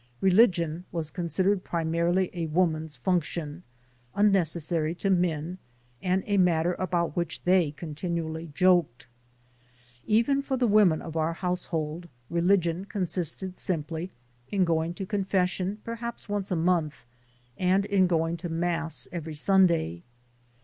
Religion was considered primarily a woman's function, un necessary to men, and a matter about which they continually joked. Even for the women of our household, religion consisted simply in going to con fession perhaps once a month and in going to mass every Sunday.